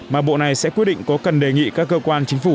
mà bộ này sẽ quyết định có cần đề nghị các cơ quan chính phủ